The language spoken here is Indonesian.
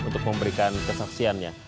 terdiri dari saya